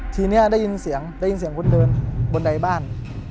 ทีนี้ได้ยินเสียงได้ยินเสียงคนเดินบนใดบ้าน